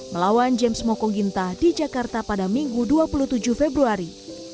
melawan james moko ginta di jakarta pada minggu dua puluh tujuh februari